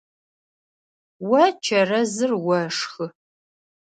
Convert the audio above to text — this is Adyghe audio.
О чэрэзыр ошхы.